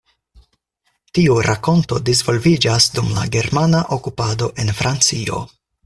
Tiu rakonto disvolviĝas dum la germana okupado en Francio.